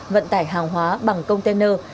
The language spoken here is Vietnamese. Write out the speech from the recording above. vận tải hàng hóa bằng công tên nơi